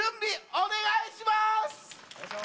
お願いします！